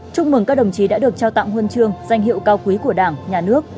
chúc mừng các đồng chí đã được trao tặng huân chương danh hiệu cao quý của đảng nhà nước